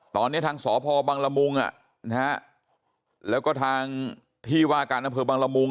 ตอนนี้ทางสพบบังลมุงอ่ะแล้วก็ทางที่วากานพบบังลมุง